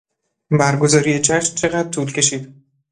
برگزاری جشن چقدر طول کشید؟